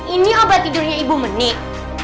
ini obat tidurnya ibu menik